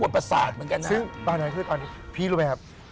ปราสาทเหมือนกันน่ะ